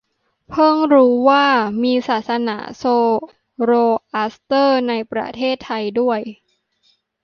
เพิ่งรู้ว่ามีศาสนาโซโรอัสเตอร์ในประเทศไทยด้วย